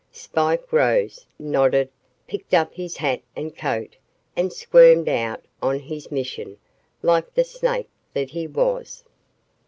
Spike rose, nodded, picked up his hat and coat and squirmed out on his mission, like the snake that he was.